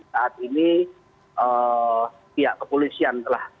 saat ini pihak kepolisian telah